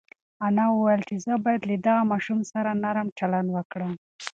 انا وویل چې زه باید له دغه ماشوم سره نرم چلند وکړم.